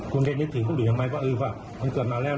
คุณเรียกนึกถึงคุณหรือไม่ว่ามันเกิดมาแล้ว